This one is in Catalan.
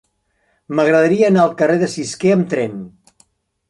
M'agradaria anar al carrer de Cisquer amb tren.